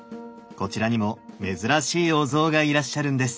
こちらにも珍しいお像がいらっしゃるんです。